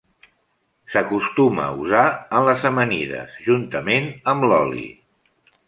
S'acostuma a usar en les amanides, juntament amb l'oli.